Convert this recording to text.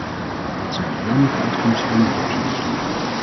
Dat zijn de jammerlijke uitkomsten van uw voorzitterschap.